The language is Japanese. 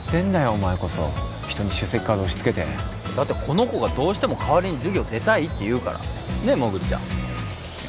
お前こそ人に出席カード押しつけてだってこの子がどうしても代わりに授業出たいっていうからねえモグリちゃんえっ？